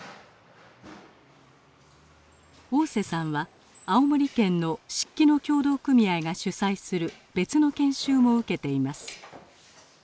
大瀬さんは青森県の漆器の協同組合が主催する別の研修も受けています。